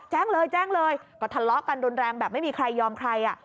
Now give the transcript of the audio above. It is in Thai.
แจ้งเลยแจ้งเลยก็ทะเลาะกันรุนแรงแบบไม่มีใครยอมใครอ่ะ